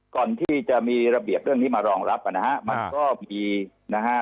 ก่อนที่จะมีระเบียบเรื่องนี้มารองรับนะฮะมันก็มีนะฮะ